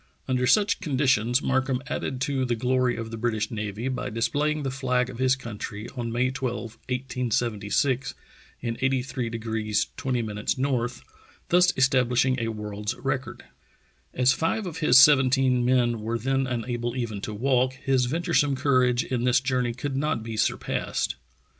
Under such conditions Markham added to the glory of the British Navy by displaying the flag of his country on May 12, 1876, in 83° 20' N., thus establishing a world's record. As five of his seventeen men were then unable even to walk, his venturesome courage in this journey could not be surpassed.